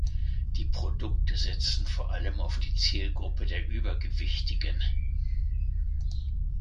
Die Produkte setzen vor allem auf die Zielgruppe der Übergewichtigen.